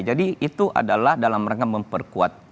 jadi itu adalah dalam rangka memperkuat